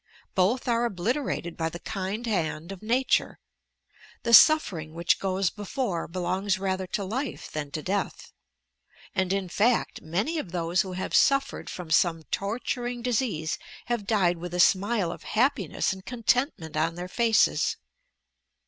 Both are obliterated by the kind hand of nature. The sof fering which goes before belongs rather to life than to death, and, in fact, many of those who have suffered from some torturing disease have died with a smile of happiness and contentment on their faces.